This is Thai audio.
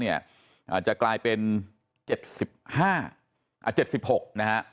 เนี่ยอาจจะกลายเป็นเจ็ดสิบห้าอ่ะเจ็ดสิบหกนะฮะ